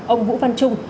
ông vũ văn trung